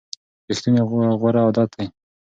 ریښتینولي غوره عادت دی.